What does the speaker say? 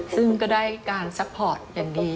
ซึ่งก็ได้การซัพพอร์ตอย่างดี